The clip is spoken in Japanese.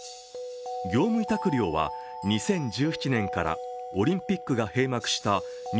業務委託料は２０１７年からオリンピックが閉幕した